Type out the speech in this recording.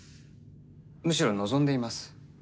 むしろ望んでいます。